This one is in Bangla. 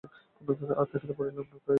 আর থাকিতে পারিলাম না, তাই তোমাদের ডাকিয়াছি।